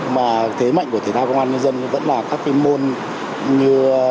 mà thế mạnh của thể thao công an nhân dân vẫn là các cái môn như